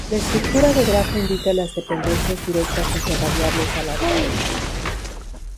La estructura de grafo indica las dependencias directas entre variables aleatorias.